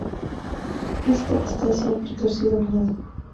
Esta está siempre torcida a un lado.